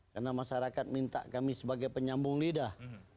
karena masyarakat minta kami sebagai penyambung lidah